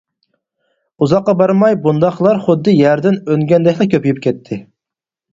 ئۇزاققا بارماي، بۇنداقلار خۇددى يەردىن ئۈنگەندەكلا كۆپىيىپ كەتتى.